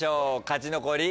勝ち残り。